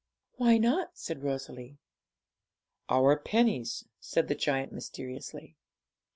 'Why not?' said Rosalie. 'Our pennies,' said the giant mysteriously.